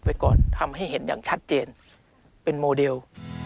ไว้ก่อนทำให้เห็นชัดเจนเป็นโมเดล